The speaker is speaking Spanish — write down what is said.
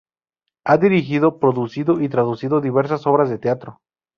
Ha dirigido, producido y traducido diversas obras de teatro.